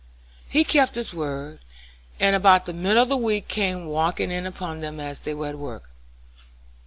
He kept his word, and about the middle of the week came walking in upon them as they were at work.